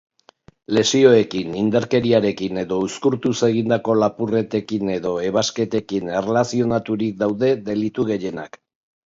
Lesioekin, indarkeriarekin edo uzkurtuz egindako lapurretekin edo ebasketekin erlazionaturik daude delitu gehienak.